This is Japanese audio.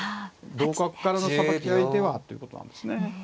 同角からのさばき合いではということなんですね。